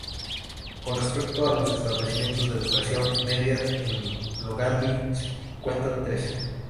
Con respecto a los establecimientos de educación media, en Longaví se cuentan tres.